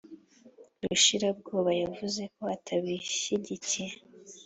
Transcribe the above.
rushirabwoba yavuze ko atabishyigikiye